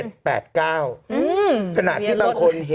โอเคโอเคโอเค